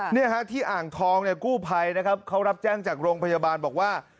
เนี่ยฮะที่อ่างทองเนี่ยกู้ภัยนะครับเขารับแจ้งจากโรงพยาบาลบอกว่า